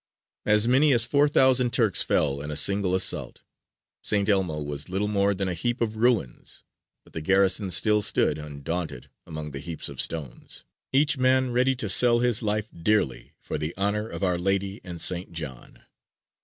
As many as four thousand Turks fell in a single assault. St. Elmo was little more than a heap of ruins, but the garrison still stood undaunted among the heaps of stones, each man ready to sell his life dearly for the honour of Our Lady and St. John.